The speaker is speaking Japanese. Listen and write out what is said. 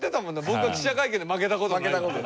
僕は記者会見で負けた事ないって。